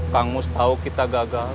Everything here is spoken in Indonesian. kang mus tahu kita gagal